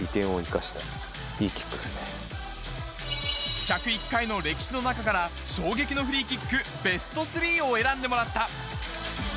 １０１回の歴史の中から、衝撃のフリーキックベスト３を選んでもらった。